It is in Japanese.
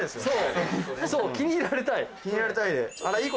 そう気に入られたい。